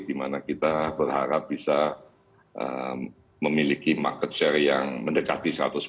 di mana kita berharap bisa memiliki market share yang mendekati seratus